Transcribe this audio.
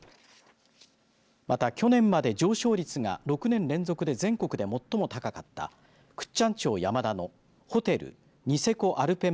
また去年まで上昇率が６年連続で全国で最も高かった倶知安町山田のホテルニセコアルペン